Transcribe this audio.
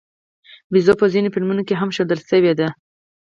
بیزو په ځینو فلمونو کې هم ښودل شوې ده.